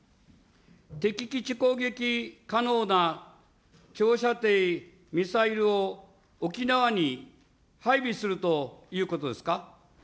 敵基地攻撃可能な長射程ミサイルを沖縄に配備するということです